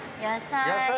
野菜。